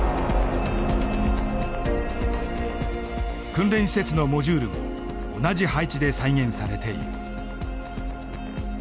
訓練施設のモジュールも同じ配置で再現されている。